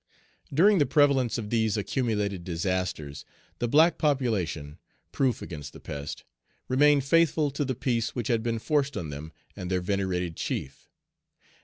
During the prevalence of these accumulated disasters, the black population, proof against the pest, remained faithful to the peace which had been forced on them and their venerated chief.